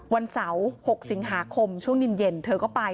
วันเสาร์๖สิงหาคมช่วงเย็นเธอก็ไป